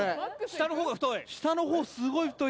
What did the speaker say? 下のほうが太い？